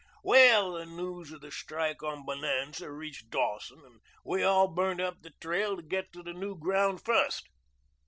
Well, the news of the strike on Bonanza reached Dawson and we all burnt up the trail to get to the new ground first.